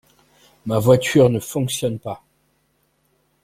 Ma voiture ne fonctionne pas.